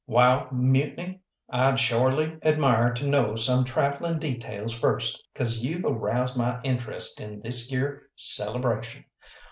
"Wall, Mutiny, I'd shorely admire to know some trifling details first, 'cause you've aroused my interest in this yere celebration.